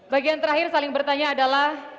bagian terakhir saling bertanya adalah